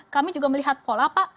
kami juga melihat pola